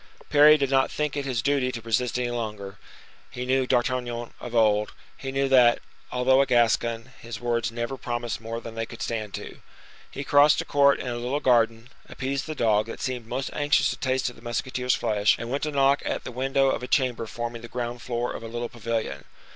Parry did not think it his duty to resist any longer; he knew D'Artagnan of old; he knew that, although a Gascon, his words never promised more than they could stand to. He crossed a court and a little garden, appeased the dog, that seemed most anxious to taste of the musketeer's flesh, and went to knock at the window of a chamber forming the ground floor of a little pavilion.